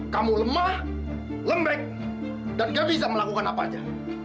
kamu lemah lembek dan nggak bisa melakukan apa saja